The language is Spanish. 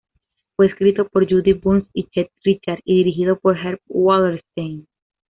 Fue escrito por Judy Burns y Chet Richards y dirigido por Herb Wallerstein.